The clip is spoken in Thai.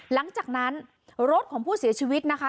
หลังจากนั้นรถของผู้เสียชีวิตนะคะ